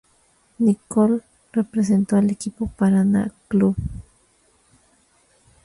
Nicole representó al equipo Paraná Clube.